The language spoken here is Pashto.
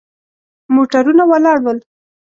موټرونه ولاړ ول.